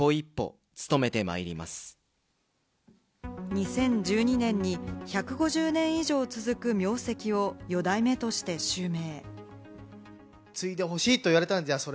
２０１２年に１５０年以上続く名跡を四代目として襲名。